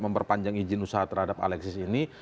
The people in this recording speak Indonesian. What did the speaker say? memperpanjang izin usaha terhadap alexis ini